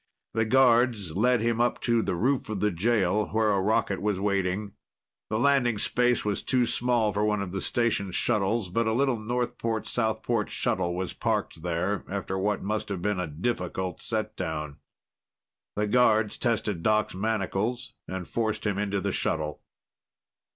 The guards led him up to the roof of the jail, where a rocket was waiting. The landing space was too small for one of the station shuttles, but a little Northport Southport shuttle was parked there after what must have been a difficult set down. The guards tested Doc's manacles and forced him into the shuttle.